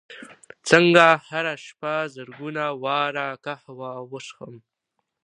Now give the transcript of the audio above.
څنګه هره شپه زرګونه واره قهوه وڅښم